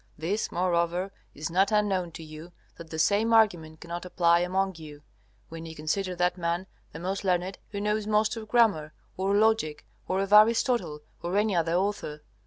This, moreover, is not unknown to you, that the same argument cannot apply among you, when you consider that man the most learned who knows most of grammar, or logic, or of Aristotle or any other author.